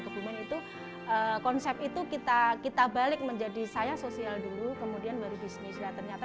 kebumen itu konsep itu kita kita balik menjadi saya sosial dulu kemudian baru bisnis ya ternyata